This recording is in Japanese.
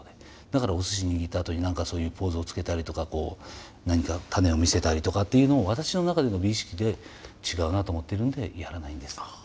だからお鮨握ったあとに何かそういうポーズをつけたりとか何か種を見せたりとかっていうのも私の中での美意識で違うなと思っているのでやらないんです。